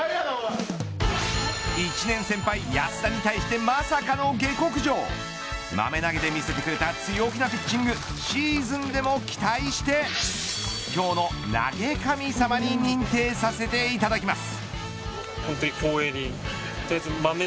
１年先輩、安田に対してまさかの下剋上へ豆投げで見せてくれた強気のピッチングシーズンでも期待して今日の投神様に認定させていただきます。